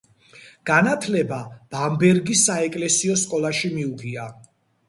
განათლება ბამბერგის საეკლესიო სკოლაში მიუღია.